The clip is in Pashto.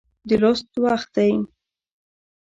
د لوست وخت دی